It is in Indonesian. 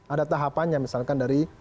ada tahapannya misalkan dari